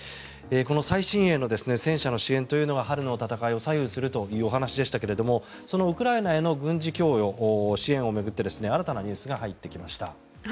最新鋭の戦車の支援というのが春の戦いを左右するというお話でしたがそのウクライナへの軍事供与支援を巡って新たなニュースが入ってきました。